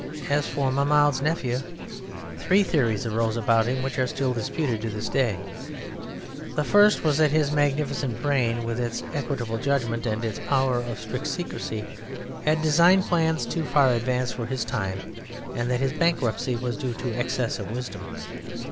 As for Mahmoud's Nephew, three theories arose about him which are still disputed to this day: The first was that his magnificent brain with its equitable judgment and its power of strict secrecy, had designed plans too far advanced for his time, and that his bankruptcy was due to excess of wisdom.